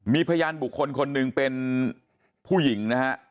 มีพยานบุคคลคนหนึ่งเป็นผู้หญิงนะฮะ